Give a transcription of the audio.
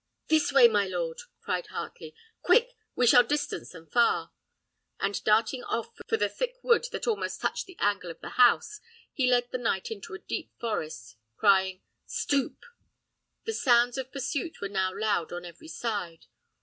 "This way, my lord!" cried Heartley; "quick, we shall distance them far." And darting off for the thick wood that almost touched the angle of the house, he led the knight into a deep forest path, crying "Stoop!" The sounds of pursuit were now loud on every side.